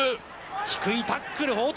低いタックル、報徳